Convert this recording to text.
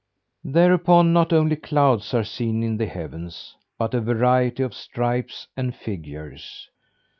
Thereupon not only clouds are seen in the heavens, but a variety of stripes and figures.